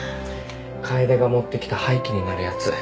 楓が持ってきた廃棄になるやつ。